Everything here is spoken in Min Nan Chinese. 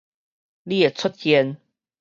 你的出現